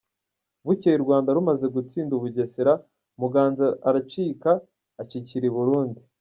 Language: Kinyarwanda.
Bukeye u Rwanda rumaze gutsinda u Bugesera , Muganza aracika acikira I Burundi.